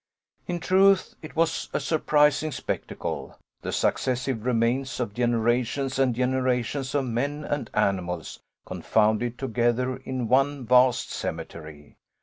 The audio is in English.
In truth, it was a surprising spectacle, the successive remains of generations and generations of men and animals confounded together in one vast cemetery.